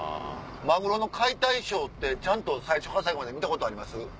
マグロの解体ショーってちゃんと最初から最後まで見たことあります？